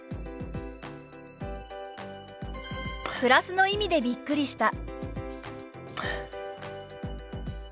「プラスの意味でびっくりした」。